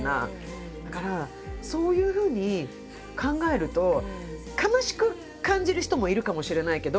だからそういうふうに考えると悲しく感じる人もいるかもしれないけど